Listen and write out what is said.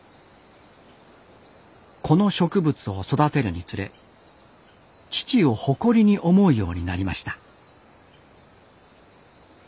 この植物を育てるにつれ父を誇りに思うようになりました。